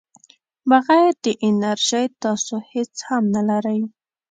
بغیر د انرژۍ تاسو هیڅ هم نه لرئ.